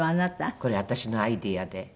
これ私のアイデアで。